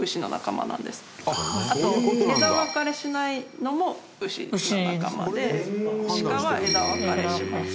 あと、枝分かれしないのも牛の仲間でシカは枝分かれします。